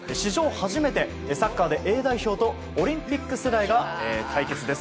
初めてサッカーでＡ代表とオリンピック世代が対決です。